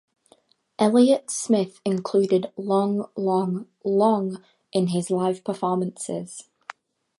Elliott Smith included "Long, Long, Long" in his live performances.